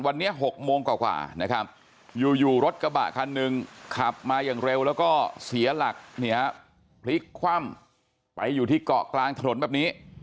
วันนี้๖โมงกว่านะครับอยู่รถกระบะคันหนึ่งขับมาอย่างเร็วแล้วก็เสียหลักเนี่ยพลิกคว่ำไปอยู่ที่เกาะกลางถนนแบบนี้